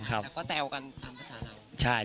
แต่ก็แตวกันทั้งทาง